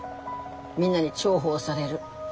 みんなに重宝される。